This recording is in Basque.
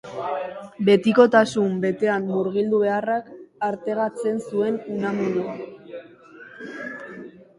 Betikotasun betean murgildu beharrak artegatzen zuen Unamuno.